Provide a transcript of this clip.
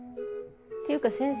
ていうか先生